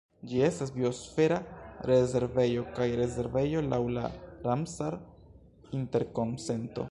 Ĝi estas biosfera rezervejo kaj rezervejo laŭ la Ramsar-Interkonsento.